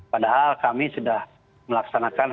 padahal kami sudah melaksanakan